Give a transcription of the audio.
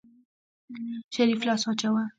شريف لاس واچوه.